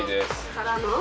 ・からの？